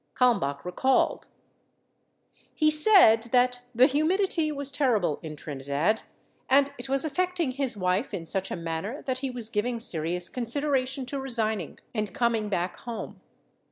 Kalmbach recalled: He said that the humidity was terrible in Trinidad, and it was affecting his wife in such a manner that he was giving serious consideration to resigning and coming back home.